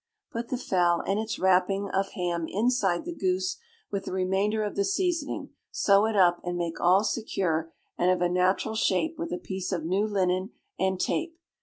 Put the fowl and its wrapping of ham inside the goose, with the remainder of the seasoning, sew it up, and make all secure and of natural shape with a piece of new linen and tape.